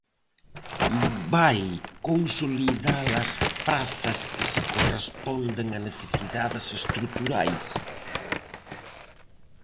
¿Vai consolidar as prazas que se corresponden a necesidades estruturais?